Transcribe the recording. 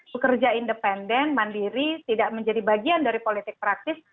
bekerja independen mandiri tidak menjadi bagian dari politik praktis